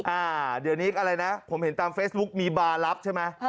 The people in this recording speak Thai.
อ่าเดี๋ยวนี้อะไรนะผมเห็นตามเฟซบุ๊คมีบาร์รับใช่ไหม